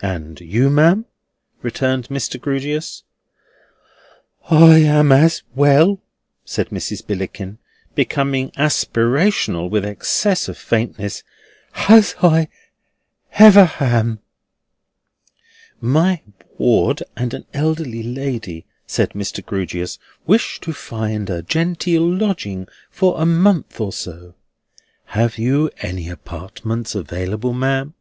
And you, ma'am?" returned Mr. Grewgious. "I am as well," said Mrs. Billickin, becoming aspirational with excess of faintness, "as I hever ham." "My ward and an elderly lady," said Mr. Grewgious, "wish to find a genteel lodging for a month or so. Have you any apartments available, ma'am?"